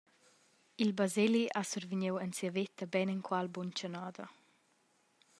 Il Baseli ha survegniu en sia veta beinenqual buntganada.